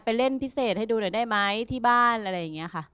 เล่นพิเศษให้ดูหน่อยได้ไหมที่บ้านอะไรอย่างนี้ค่ะ